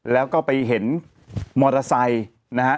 แล้วก็ไปเห็นมอเตอร์ไซค์นะฮะ